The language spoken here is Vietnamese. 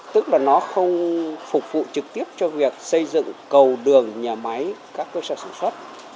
tức là nó không phục vụ trực tiếp cho việc xây dựng cầu đường nhà máy các cơ sở sản xuất